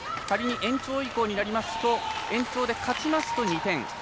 仮に延長以降になりますと延長で勝ちますと２点。